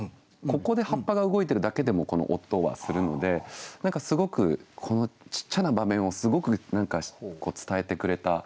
ここで葉っぱが動いてるだけでもこの音はするので何かすごくこのちっちゃな場面をすごく何か伝えてくれた。